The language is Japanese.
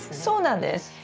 そうなんです。